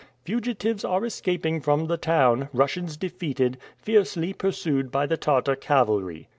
"Fugitives are escaping from the town. Russians defeated. Fiercely pursued by the Tartar cavalry."